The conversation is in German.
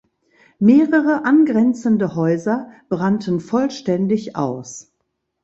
Mehrere angrenzende Häuser brannten vollständig aus.